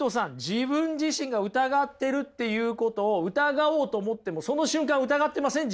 自分自身が疑ってるっていうことを疑おうと思ってもその瞬間疑ってません？